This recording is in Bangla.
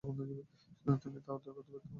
সুতরাং তিনি তা উদ্ধার করতে ব্যর্থ হলেন।